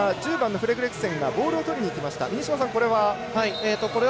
フレズレクセンがボールを取りにいきました。